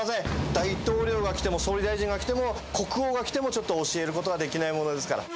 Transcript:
大統領が来ても、総理大臣が来ても、国王が来ても、ちょっと教えることができないものですから。